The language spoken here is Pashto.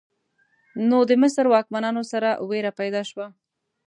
نو د مصر واکمنانو سره ویره پیدا شوه.